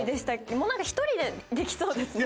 もうなんか１人でできそうですね。